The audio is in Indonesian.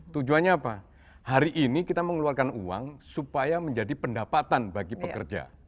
tujuannya apa hari ini kita mengeluarkan uang supaya menjadi pendapatan bagi pekerja